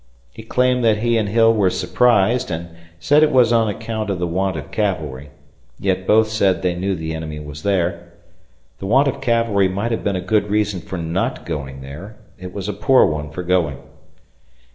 He claimed that he and Hill were surprised and said it was on account of the want of cavalry, yet both said they knew the enemy was there. The want of cavalry might have been a good reason for not going there it was a poor one for going.